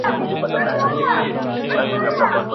• نه یو بل موږک پرېږدي و خپلي خواته..